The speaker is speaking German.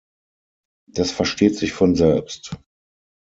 Das versteht sich von selbst.